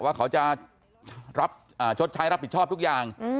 ว่าเขาจะรับชดใช้รับผิดชอบทุกอย่าง